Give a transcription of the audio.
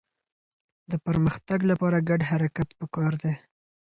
د پرمختګ لپاره ګډ حرکت پکار دی.